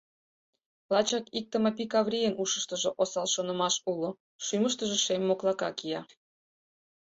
Лачак ик Тымапи Каврийын ушыштыжо осал шонымаш уло, шӱмыштыжӧ шем моклака кия.